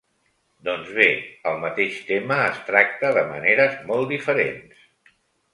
Doncs bé, el mateix tema es tracta de maneres molt diferents.